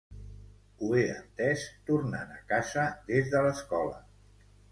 Ho he entès tornant a casa des de l'escola.